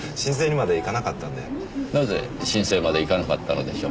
なぜ申請までいかなかったのでしょう？